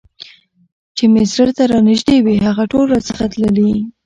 چي مي زړه ته رانیژدې وي هغه ټول راڅخه تللي